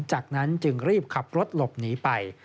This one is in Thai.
จากนั้นจึงรีบขับรถหลบหนีไป